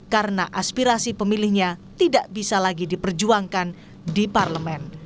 karena aspirasi pemilihnya tidak bisa lagi diperjuangkan di parlemen